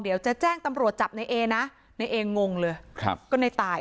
เดี๋ยวจะแจ้งตำรวจจับในเอนะในเองงงเลยครับก็ในตาย